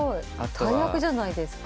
大役じゃないですか。